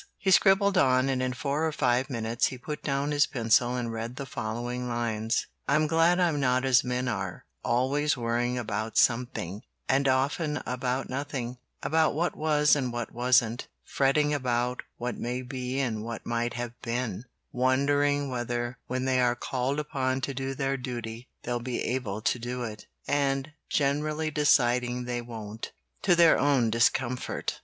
He scribbled on, and in four or five minutes he put down his pencil and read the following lines: "I'm glad I'm not as men are Always worrying about something, and often about nothing; About what was and what wasn't; Fretting about what may be and what might have been; Wondering whether when they are called upon to do their duty They'll be able to do it, And generally deciding they won't, To their own discomfort.